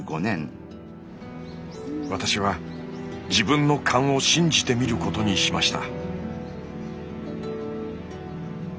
私は自分の勘を信じてみることにしました。